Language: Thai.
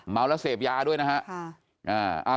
เมาแล้วเสพยาด้วยนะฮะ